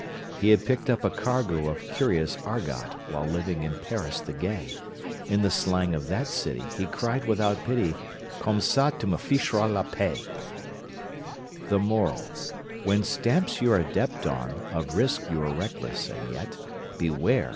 He had picked up a cargo Of curious argot While living in Paris the gay; In the slang of that city He cried without pity: "Comme ça tu me fich'ras la paix!" The Moral: When stamps you're adept on Of risks you are reckless, and yet Beware!